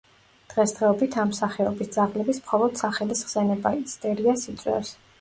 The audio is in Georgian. დღესდღეობით ამ სახეობის ძაღლების მხოლოდ სახელის ხსენება ისტერიას იწვევს.